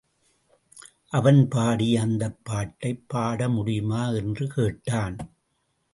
அவன் பாடிய அந்தப்பாட்டைப் பாடமுடியுமா என்று கேட்டான்.